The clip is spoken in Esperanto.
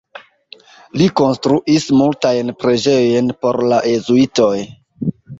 Li konstruis multajn preĝejojn por la Jezuitoj.